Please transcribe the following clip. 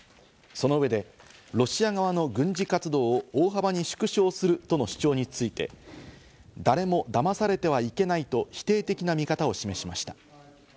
その上でロシア側の軍事活動を大幅に縮小するとの主張について誰もだまされてはいけないと否定的な見方を示しました。